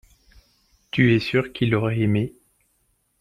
Tu es sûr qu’il aurait aimé.